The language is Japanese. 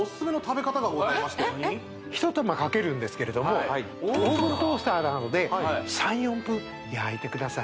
一手間かけるんですけれどもオーブントースターなどで３４分焼いてください